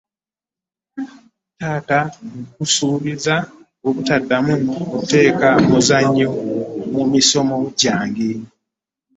Taata nkusuubiza obutaddamu kuteeka muzannyo mu misomo gyange.